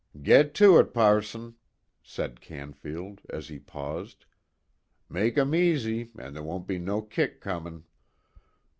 "Get to it, passon," said Canfield, as he paused. "Make 'em easy, an' ther' won't be no kick comin'."